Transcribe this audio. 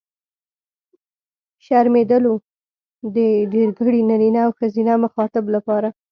شرمېدلو! د ډېرګړي نرينه او ښځينه مخاطب لپاره.